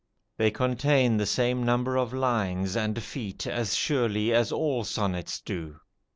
They contain the same number of lines and feet as surely as all sonnets do.